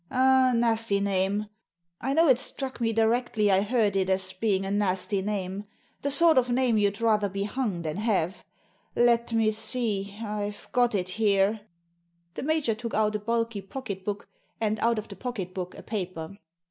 " A nasty name. I know it struck me directly I heard it as being a nasty name. The sort of name you'd rather be hung than have Let me see — I've got it here" The major took out a bulky pocket book, and out of the pocket book a paper.